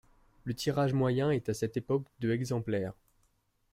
Le tirage moyen est à cette époque de exemplaires.